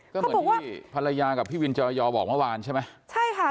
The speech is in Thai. ก็เหมือนที่ภรรยากับพี่วินจรยอบอกเมื่อวานใช่ไหมใช่ค่ะ